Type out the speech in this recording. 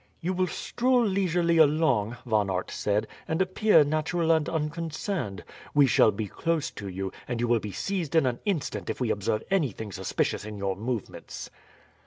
"You will stroll leisurely along," Von Aert said, "and appear natural and unconcerned. We shall be close to you, and you will be seized in an instant if we observe anything suspicious in your movements."